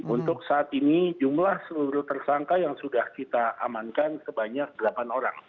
untuk saat ini jumlah seluruh tersangka yang sudah kita amankan sebanyak delapan orang